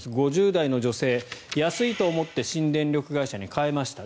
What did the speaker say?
５０代の女性、安いと思って新電力会社に変えました。